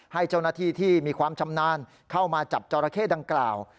ให้เจ้าหน้าที่ที่มีความชำนาญเข้ามาจับจอราเข้ดังกล่าว